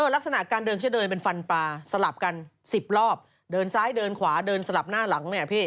ลักษณะการเดินแค่เดินเป็นฟันปลาสลับกัน๑๐รอบเดินซ้ายเดินขวาเดินสลับหน้าหลังเนี่ยพี่